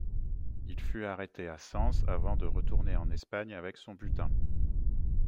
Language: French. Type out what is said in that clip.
Il fut arrêté à Sens avant de retourner en Espagne avec son butin.